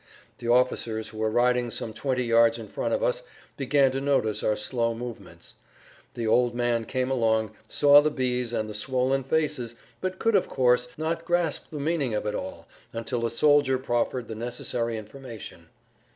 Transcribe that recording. The officers who were riding some twenty yards in front of us began to notice our slow movements. The[Pg 64] "old man" came along, saw the bees and the swollen faces but could, of course, not grasp the meaning of it all until a sergeant proffered the necessary information.